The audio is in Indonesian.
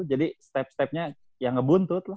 jadi step stepnya ya ngebuntut lah